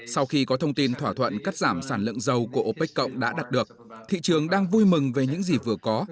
sau khi có thông tin thỏa thuận cắt giảm sản lượng dầu của opec cộng đã đạt được thị trường đang vui mừng về những gì vừa có